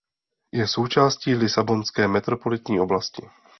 Je součástí lisabonské metropolitní oblasti.